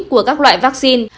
của các loại vaccine